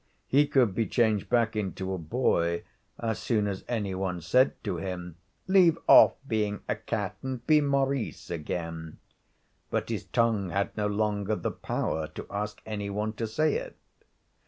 He could be changed back into a boy as soon as any one said to him, 'Leave off being a cat and be Maurice again,' but his tongue had no longer the power to ask any one to say it.